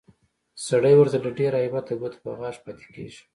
سړی ورته له ډېره هیبته ګوته په غاښ پاتې کېږي